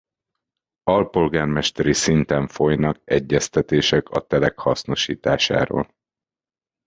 Alpolgármesteri szinten folynak egyeztetések a telek hasznosításáról.